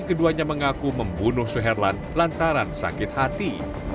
keduanya mengaku membunuh suherlan lantaran sakit hati